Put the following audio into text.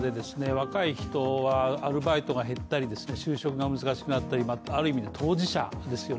若い人はアルバイトが減ったりですね就職が難しくなったりまたある意味で当事者ですよね